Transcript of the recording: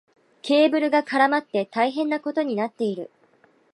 ケーブルが絡まって大変なことになっている。